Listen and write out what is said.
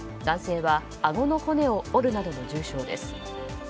男性はあごの骨を折るなどの重傷です。